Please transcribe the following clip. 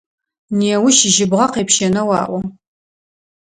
Неущ жьыбгъэ къепщэнэу аӏо.